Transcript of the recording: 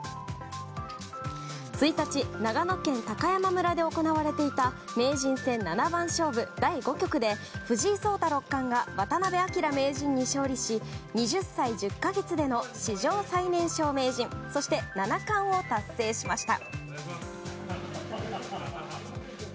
１日、長野県高山村で行われていた名人戦七番勝負第５局で藤井聡太六冠が渡辺明名人に勝利し２０歳１０か月での史上最年少名人そして七冠を達成しました。